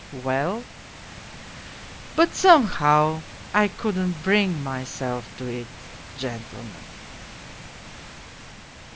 "Well?" " But somehow I couldn't bring myself to it, gentlemen."